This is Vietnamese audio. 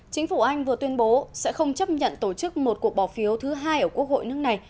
chính phủ anh vừa tuyên bố sẽ không chấp nhận tổ chức một cuộc bỏ phiếu thứ hai ở quốc hội nước này